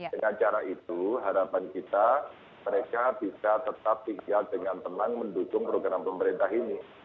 dengan cara itu harapan kita mereka bisa tetap tinggal dengan tenang mendukung program pemerintah ini